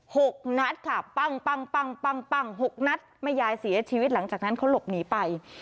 หกนัดค่ะปั้งปั้งปั้งปั้งปั้งหกนัดแม่ยายเสียชีวิตหลังจากนั้นเขาหลบหนีไป